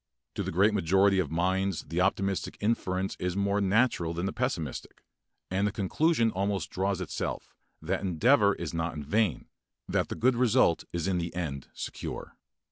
To the great majority of minds the optimistic inference is more natural than the pessimistic, and the conclusion almost draws itself that endeavor is not in vain, that the good result is in the end secure.